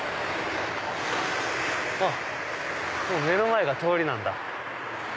目の前が通りなんだ。